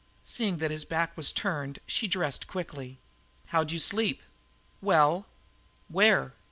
Seeing that his back was turned, she dressed quickly. "How'd you sleep?" "Well." "Where?"